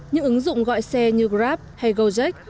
những ứng dụng gọi xe như grab hay go trek